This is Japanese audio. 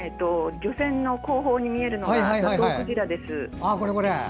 漁船の後方に見えるのが、ザトウクジラです。